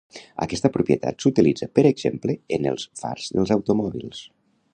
Aquesta propietat s'utilitza per exemple en els fars dels automòbils.